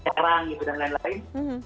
sekarang gitu dan lain lain